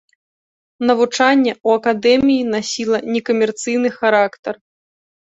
Навучанне ў акадэміі насіла некамерцыйны характар.